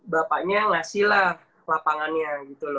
bapaknya ngasih lah lapangannya gitu loh